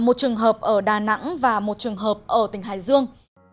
một trường hợp ở đà nẵng và một trường hợp ở tỉnh hải dương